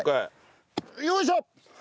よいしょ。